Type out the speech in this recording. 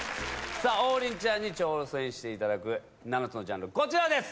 王林ちゃんに挑戦していただく７つのジャンルこちらです！